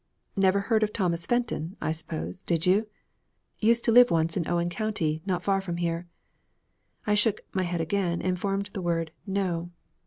'Never heard of Thomas Felton, I suppose, did you? Used to live once in Owen County not far from here.' I shook my head again and formed the word 'No.'